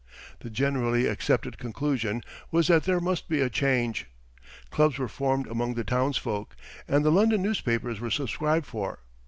The generally accepted conclusion was that there must be a change. Clubs were formed among the townsfolk, and the London newspapers were subscribed for.